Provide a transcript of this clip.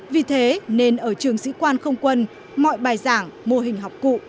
vì thế nên ở trường sĩ quan không quân mọi bài giảng mô hình học cụ